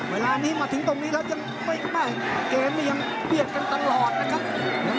เวลานี้มาถึงตรงนี้แล้วยังไม่เกมนี่ยังเบียดกันตลอดนะครับ